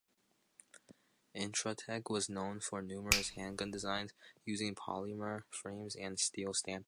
Intratec was known for numerous handgun designs using polymer frames and steel stampings.